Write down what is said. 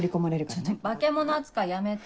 ちょっと化け物扱いやめて。